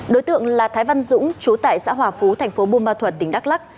đối tượng là thái văn dũng trú tại xã hòa phú thành phố buôn ma thuận tỉnh đắk lắc